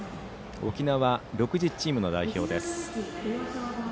沖縄６０チームの代表です。